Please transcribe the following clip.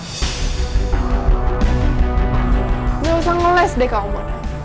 nggak usah ngeles deh kamu